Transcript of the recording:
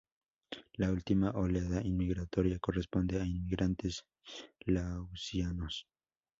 La última oleada inmigratoria corresponde a inmigrantes laosianos.